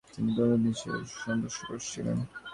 তিনি একজন কূটনৈতিক, সিনেটের সদস্য এবং পররাষ্ট্রমন্ত্রী ছিলেন।